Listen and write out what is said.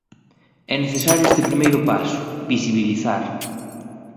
É necesario este primeiro paso: visibilizar.